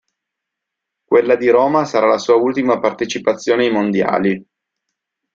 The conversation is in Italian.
Quella di Roma sarà la sua ultima partecipazione ai Mondiali.